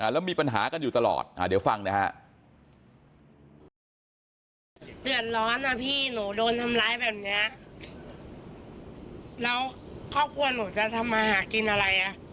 แล้วมีปัญหากันอยู่ตลอดเดี๋ยวฟังนะฮะ